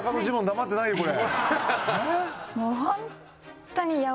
黙ってないよこれ。